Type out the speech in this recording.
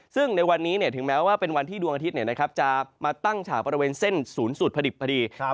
ซึ่งในวันนี้ถึงแม้ว่าเป็นวันที่ดวงอาทิตย์จะมาตั้งฉากบริเวณเส้นศูนย์สูตรผลิตพอดี